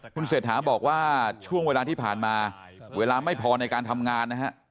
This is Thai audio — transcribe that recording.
คุณเศรษฐาบอกว่าช่วงเวลาที่ผ่านมาเวลาไม่พอในการทำงานนะฮะ